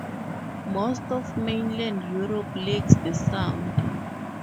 Most of Mainland Europe lacks the sound.